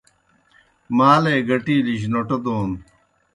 مالے گٹِیلِجیْ نوْٹہ دون